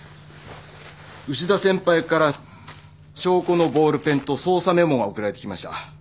牛田先輩から証拠のボールペンと捜査メモが送られてきました。